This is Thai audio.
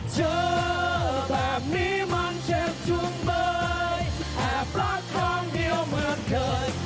เจอแบบนี้มันเจ็บทุกใบแอบรักทางเดียวเหมือนเคย